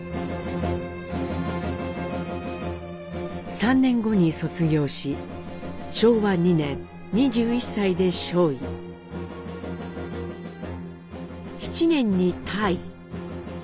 ３年後に卒業し昭和２年２１歳で少尉７年に大尉。